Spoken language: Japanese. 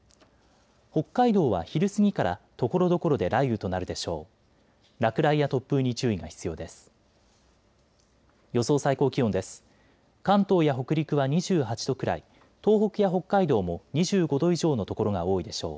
北海道は昼過ぎからところどころで雷雨となるでしょう。